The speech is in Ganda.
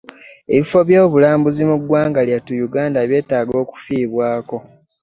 ebifo by'obulambuzi mu ggwanga lyattu uganda byetaagisa okufiibwako.